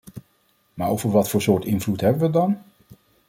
Maar over wat voor soort invloed hebben we het dan?